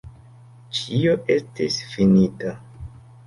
Ĉio estis finita.